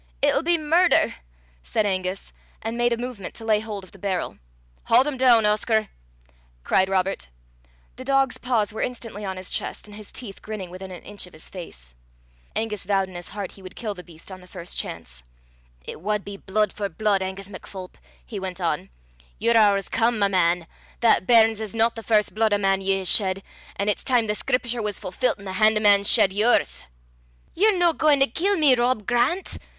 "It'll be murder," said Angus, and made a movement to lay hold of the barrel. "Haud him doon, Oscar," cried Robert. The dog's paws were instantly on his chest, and his teeth grinning within an inch of his face. Angus vowed in his heart he would kill the beast on the first chance. "It wad be but blude for blude, Angus MacPholp," he went on. "Yer hoor's come, my man. That bairn's is no the first blude o' man ye hae shed, an' it's time the Scripture was fulfillt, an' the han' o' man shed yours." "Ye're no gauin' to kill me, Rob Grant?"